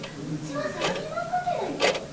うちはサラリーマン家庭だよ。